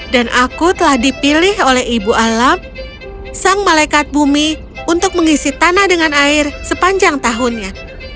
dan aku telah dipilih oleh ibu alam sang malekat bumi untuk mengisi tanah dengan air sepanjang tahunnya